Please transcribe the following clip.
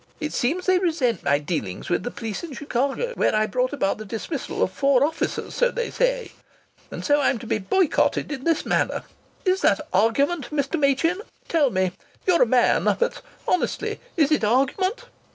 It seems they resent my dealings with the police in Chicago, where I brought about the dismissal of four officers, so they say. And so I'm to be boycotted in this manner! Is that argument, Mr. Machin? Tell me. You're a man, but honestly, is it argument?